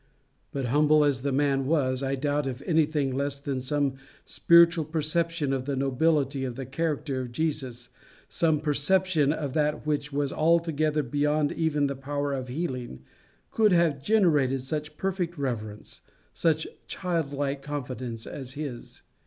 But humble as the man was, I doubt if anything less than some spiritual perception of the nobility of the character of Jesus, some perception of that which was altogether beyond even the power of healing, could have generated such perfect reverence, such childlike confidence as his.